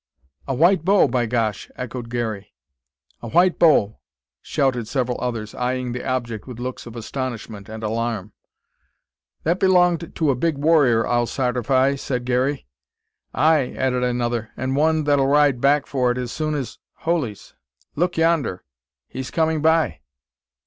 "A white bow, by gosh!" echoed Garey. "A white bow!" shouted several others, eyeing the object with looks of astonishment and alarm. "That belonged to a big warrior, I'll sartify," said Garey. "Ay," added another, "an' one that'll ride back for it as soon as holies! look yonder! he's coming by